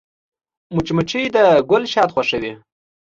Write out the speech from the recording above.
مچمچۍ د ګل شات خوښوي